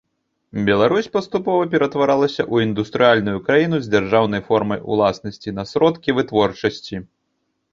Беларусь паступова ператваралася ў індустрыяльную краіну з дзяржаўнай формай уласнасці на сродкі вытворчасці.